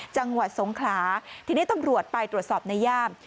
จังหวัดสงขลาทีนี้ตำรวจไปตรวจสอบในย่าม